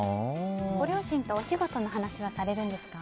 ご両親とお仕事の話はされますか？